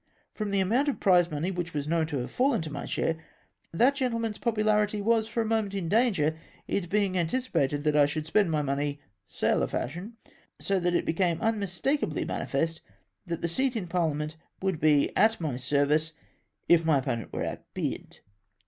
From the amount of prize money wliich was known to have faUen to my share, that gentleman's popularity was for a moment in danger, it being anticipated that I should spend my money sailor fashion, so that it became unmistakably manifest that the seat in Parliament would be at my service, if my opponent were outbid